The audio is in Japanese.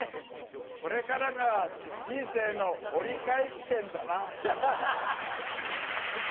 これからが人生の折り返し地点だな。